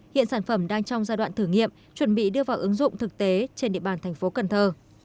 hiện sản phẩm đang trong giai đoạn thử nghiệm chuẩn bị đưa vào ứng dụng thực tế trên địa bàn thành phố cần thơ